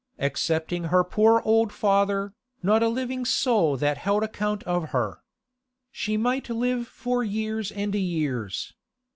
Excepting her poor old father, not a living soul that held account of her. She might live for years and years.